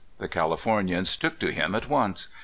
The Californians ''took to" him at once.